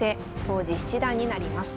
当時七段になります。